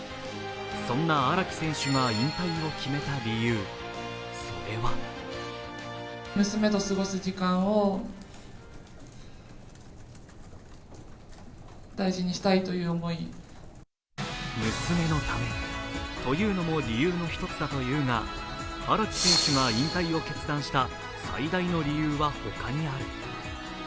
そんな荒木選手が引退を決めた理由、それは娘のためというのも理由の一つだというが荒木選手が引退を決断した最大の理由は他にある。